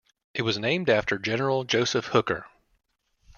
It was named after General Joseph Hooker.